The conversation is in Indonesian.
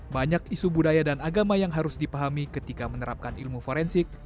banyak isu budaya dan agama yang harus dipahami ketika menerapkan ilmu forensik